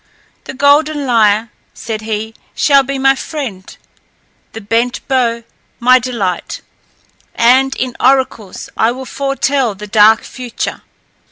"The golden lyre," said he, "shall be my friend, the bent bow my delight, and in oracles will I foretell the dark future."